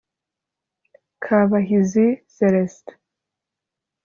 Kabahizi Célestin